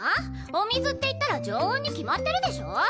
お水っていったら常温に決まってるでしょ